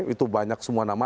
itu banyak semua nama